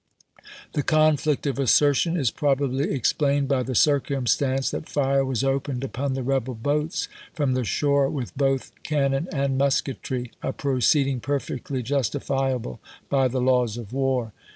The conflict of assertion is probably explained by the circumstance that fire was opened upon the rebel boats from the shore with both can non and musketry, a proceeding perfectly justifi able by the laws of war.